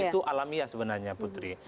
itu alamiah sebenarnya putri